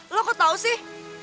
lo kok tau sih